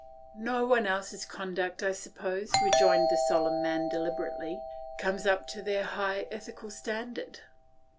" No one else's conduct, I suppose," rejoined the solemn man deliberately, "comes up to their high ethical standard."